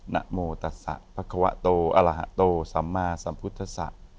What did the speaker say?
นโมตสะพระควะโตอรหะโตสัมมาสัมพุทธศะ